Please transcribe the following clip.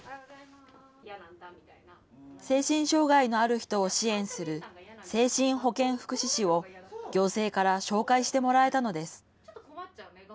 精神障害のある人を支援する精神保健福祉士を行政から紹介してもらえたのです。